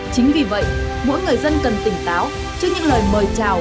chính vì vậy mỗi người dân cần tỉnh táo trước những lời mời chào